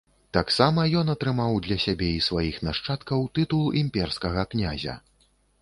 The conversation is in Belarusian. Таксама ён атрымаў для сябе і сваіх нашчадкаў тытул імперскага князя.